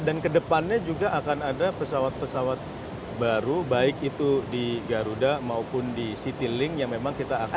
dan kedepannya juga akan ada pesawat pesawat baru baik itu di garuda maupun di citylink yang memang kita akan